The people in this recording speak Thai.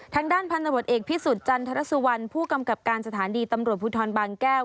ทางด้านพันธบทเอกพิสุทธิ์จันทรสุวรรณผู้กำกับการสถานีตำรวจภูทรบางแก้ว